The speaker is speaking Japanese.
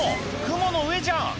雲の上じゃん！